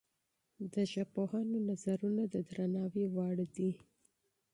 د ژبپوهانو نظرونه د درناوي وړ دي.